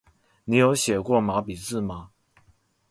你有寫過毛筆字嗎？